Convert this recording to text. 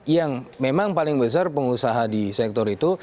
yang memang paling besar pengusaha di sektor itu